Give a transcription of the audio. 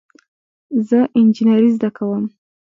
زه انجینری زده کوم